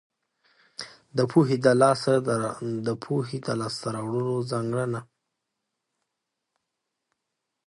د پوهې د لاس ته راوړلو ځانګړنه.